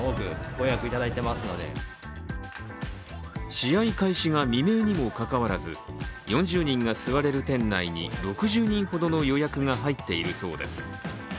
試合開始が未明にもかかわらず４０人が座れる店内に６０人ほどの予約が入っているそうです。